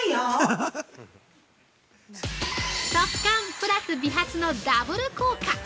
◆速乾プラス美髪のダブル効果！